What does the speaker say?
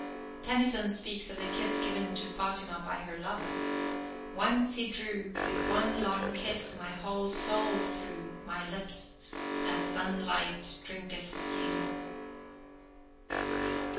Tennyson speaks of the kiss given to Fatima by her lover: Once he drew With one long kiss my whole soul through My lips—as sunlight drinketh dew.